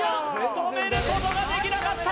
止めることができなかった！